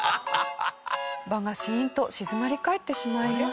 場がシーンと静まり返ってしまいます。